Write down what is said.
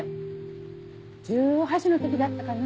１８のときだったかな